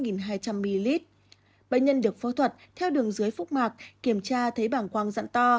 bệnh nhân được phẫu thuật theo đường dưới phúc mạc kiểm tra thấy bảng quang dặn to